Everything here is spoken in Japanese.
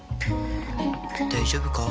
大丈夫か？